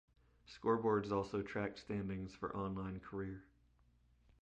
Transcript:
Scoreboards also track standings for online career.